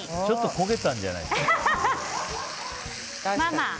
ちょっと焦げたんじゃないの。